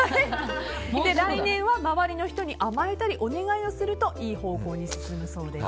来年は周りの人に甘えたりお願いをするといい方向に進むそうです。